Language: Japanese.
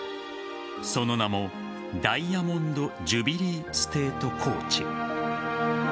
その名もダイヤモンド・ジュビリー・ステート・コーチ。